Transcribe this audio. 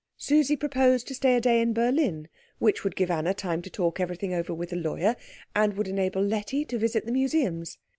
Susie proposed to stay a day in Berlin, which would give Anna time to talk everything over with the lawyer, and would enable Letty to visit the museums.